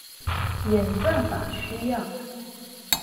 演算法需要